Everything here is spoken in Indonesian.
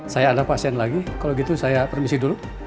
saya ada pasien lagi kalau gitu saya permisi dulu